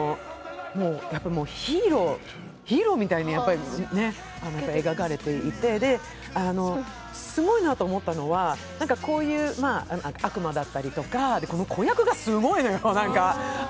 ヒーローみたいに描かれていて、すごいなと思ったのは、こういう悪魔だったりとか、この子役がすごいよの、何か。